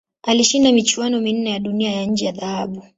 Alishinda michuano minne ya Dunia ya nje ya dhahabu.